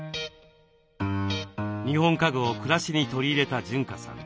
日本家具を暮らしに取り入れた潤香さん。